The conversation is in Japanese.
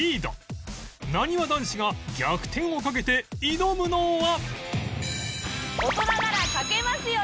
なにわ男子が逆転をかけて挑むのは